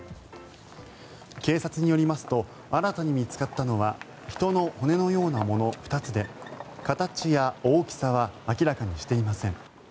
警察によりますと新たに見つかったのは人の骨のようなもの２つで形や大きさは明らかにしていません。